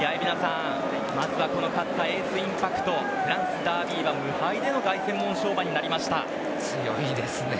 まずはこの勝ったエースインパクトフランスダービー馬無敗での凱旋門賞馬になりました。